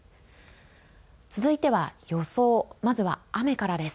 続いては予想、まずは雨からです。